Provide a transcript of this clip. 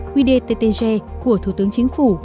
của thủ tướng chính phủ